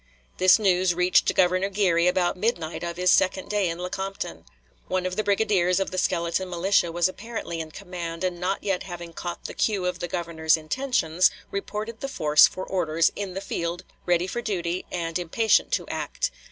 This news reached Governor Geary about midnight of his second day in Lecompton. One of the brigadiers of the skeleton militia was apparently in command, and not yet having caught the cue of the Governor's intentions, reported the force for orders, "in the field, ready for duty, and impatient to act."